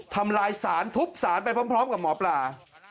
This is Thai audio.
ทำลายสารทุบสารไปพร้อมกับหมอปลา